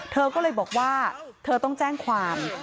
เธอก็เลยบอกว่าเธอต้องแจ้งความ